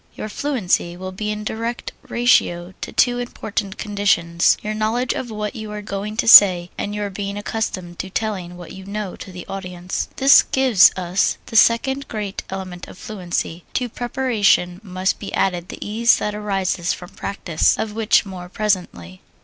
Your fluency will be in direct ratio to two important conditions: your knowledge of what you are going to say, and your being accustomed to telling what you know to an audience. This gives us the second great element of fluency to preparation must be added the ease that arises from practise; of which more presently.